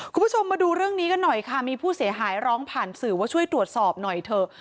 คุณผู้ชมมาดูเรื่องนี้กันหน่อยค่ะมีผู้เสียหายร้องผ่านสื่อว่าช่วยตรวจสอบหน่อยเถอะ